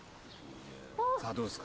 さあどうですか？